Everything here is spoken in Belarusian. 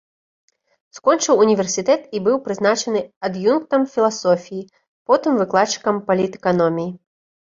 Скончыў універсітэт і быў прызначаны ад'юнктам філасофіі, потым выкладчыкам палітэканоміі.